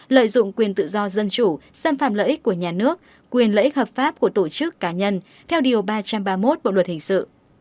lợi dụng quyền tự do dân chủ xâm phạm lợi ích của nhà nước quyền lợi ích hợp pháp của tổ chức cá nhân theo điều ba trăm ba mươi một bộ luật hình sự